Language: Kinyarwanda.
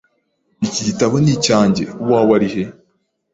Iki gitabo ni icyanjye. Uwawe ari he?